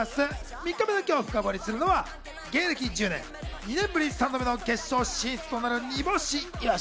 ３日目の今日、深掘りするのは芸歴１０年、２年ぶり３度目の決勝進出となる、にぼしいわし。